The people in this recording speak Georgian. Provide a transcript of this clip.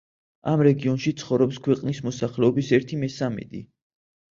ამ რეგიონში ცხოვრობს ქვეყნის მოსახლეობის ერთი მესამედი.